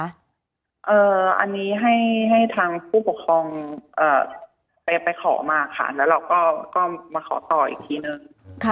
อันนี้ให้ทางผู้ปกครองไปขอมาค่ะแล้วเราก็มาขอต่ออีกทีนึง